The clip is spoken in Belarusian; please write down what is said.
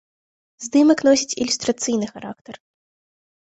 Здымак носіць ілюстрацыйны характар.